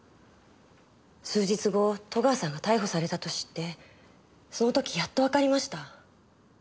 数日後戸川さんが逮捕されたと知ってその時やっとわかりました。